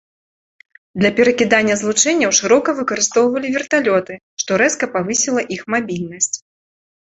Для перакідання злучэнняў шырока выкарыстоўвалі верталёты, што рэзка павысіла іх мабільнасць.